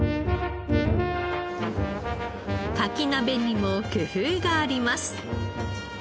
カキ鍋にも工夫があります。